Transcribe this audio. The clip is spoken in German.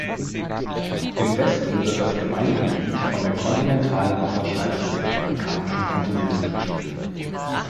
Im Westen wird das Gemeindegebiet von der kontinentalen Wasserscheide des amerikanischen Kontinents durchschnitten.